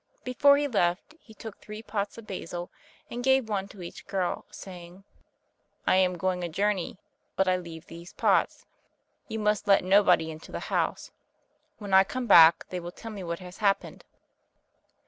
Before he left, he took three pots of basil, and gave one to each girl, saying, "I am going a journey, but I leave these pots. You must let nobody into the house. When I come back, they will tell me what has happened."